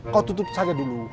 kau tutup saja dulu